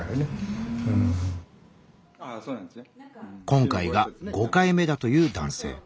今回が５回目だという男性。